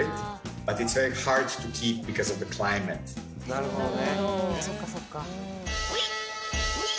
なるほどね